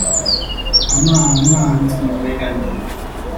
阿嬤阿嬤，你怎麼沒感覺？